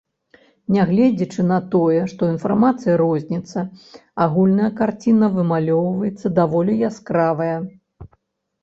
Нягледзячы на тое, што інфармацыя розніцца, агульная карціна вымалёўваецца даволі яскравая.